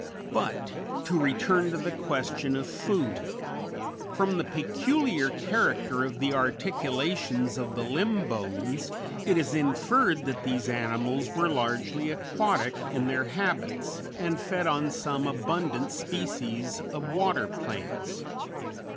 But, to return to the question of food. From the peculiar character of the articulations of the limb bones, it is inferred that these animals were largely aquatic in their habits, and fed on some abundant species of water plants.